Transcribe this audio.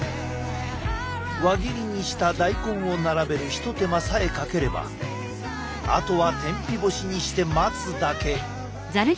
輪切りにした大根を並べる一手間さえかければあとは天日干しにして待つだけ。